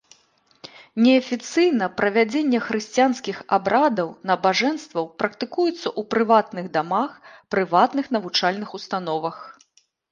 Неафіцыйна правядзенне хрысціянскіх абрадаў, набажэнстваў практыкуецца ў прыватных дамах, прыватных навучальных установах.